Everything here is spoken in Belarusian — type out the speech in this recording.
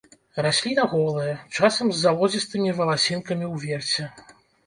Расліна голая, часам з залозістымі валасінкамі ўверсе.